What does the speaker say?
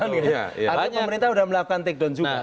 artinya pemerintah sudah melakukan take down juga